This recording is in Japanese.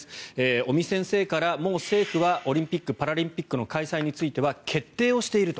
尾身先生から、もう政府はオリンピック・パラリンピックの開催については決定をしていると。